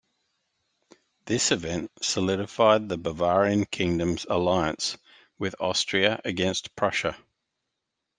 This event solidified the Bavarian kingdom's alliance with Austria against Prussia.